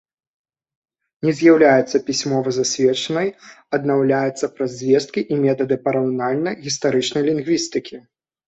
Не з'яўляецца пісьмова засведчанай, аднаўляецца праз звесткі і метады параўнальна-гістарычнай лінгвістыкі.